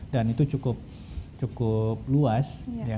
dan itu cukup luas